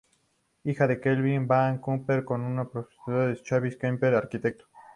Hija de Claire van Kampen, una compositora, y Chris van Kampen, arquitecto.